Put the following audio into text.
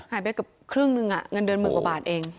ไปเกือบครึ่งนึงเงินเดือนหมื่นกว่าบาทเอง